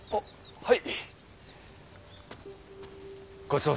はい。